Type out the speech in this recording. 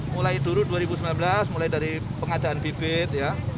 mulai dulu dua ribu sembilan belas mulai dari pengadaan bibit ya